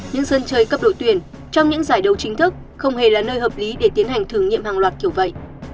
những sân chơi cấp đội tuyển trong những giải đấu chính thức không hề là nơi hợp lý để tiến hành thử nghiệm hàng loạt kiểu vậy